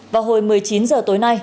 vào hồi một mươi chín h tối nay